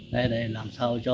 để làm sao cho